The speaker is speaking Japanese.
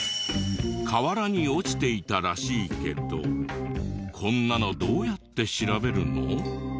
河原に落ちていたらしいけどこんなのどうやって調べるの？